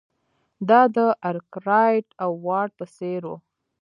دا د ارکرایټ او واټ په څېر وو.